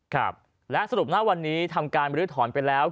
ครับและสรุปหน้าวันนี้ทำการบรื้อถอนไปแล้ว